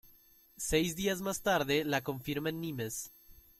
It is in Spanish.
Seis días más tarde la confirma en Nimes.